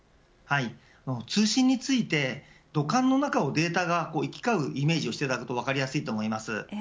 通信について土管の中をデータが行き交うイメージをしていただくと分かりやすいと思います。